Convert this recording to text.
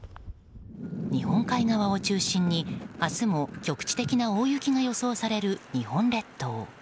日本海側を中心に明日も局地的な大雪が予想される日本列島。